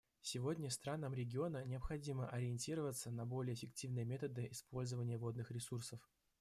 Сегодня странам региона необходимо ориентироваться на более эффективные методы использования водных ресурсов.